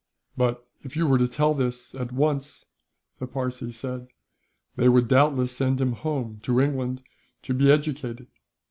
'" "But if you were to tell this, at once," the Parsee said, "they would doubtless send him home, to England, to be educated."